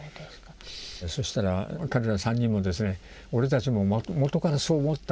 そしたら彼ら３人もですね「俺たちも元からそう思ってたんだ」と。